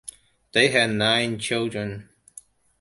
They had nine children.